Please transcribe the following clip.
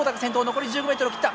残り１５ｍを切った。